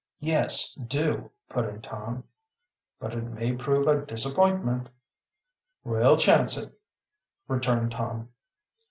"Yes, do!" put in Tom. "But it may prove a disappointment." "We'll chance it," returned Tom.